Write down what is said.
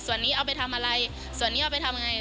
ส่วนนี้เอาไปทำอะไรส่วนนี้เอาไปทำไง